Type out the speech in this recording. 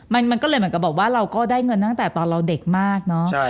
มันก็เลยเหมือนกับบอกว่าเราก็ได้เงินตั้งแต่ตอนเราเด็กมากเนอะ